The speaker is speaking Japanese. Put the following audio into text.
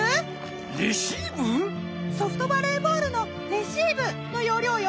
ソフトバレーボールのレシーブのようりょうよ。